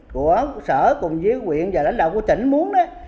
của sở cùng với quyện và lãnh đạo của tỉnh muốn đó